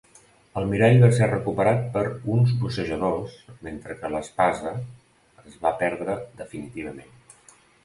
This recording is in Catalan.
El mirall va ser recuperat per uns bussejadors mentre que l'espasa es va perdre definitivament.